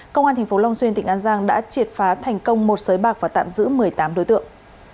công an tp long xuyên tỉnh an giang đã triệt phá thành công một sới bạc và tạm giữ một mươi tám đối tượng